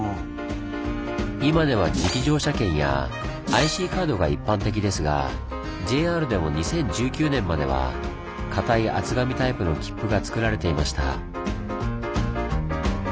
今では磁気乗車券やＩＣカードが一般的ですがＪＲでも２０１９年までは硬い厚紙タイプのきっぷがつくられていました。